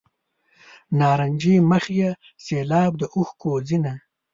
نارنجي مخ مې سیلاب د اوښکو ځینه.